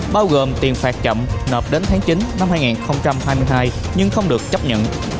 bao gồm tiền phạt chậm nộp đến tháng chín năm hai nghìn hai mươi hai nhưng không được chấp nhận